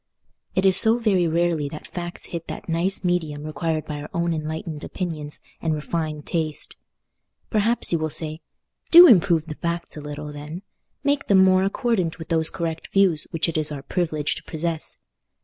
It is so very rarely that facts hit that nice medium required by our own enlightened opinions and refined taste! Perhaps you will say, "Do improve the facts a little, then; make them more accordant with those correct views which it is our privilege to possess.